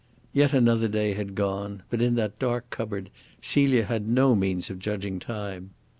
Yet another day had gone, but in that dark cupboard Celia had no means of judging time.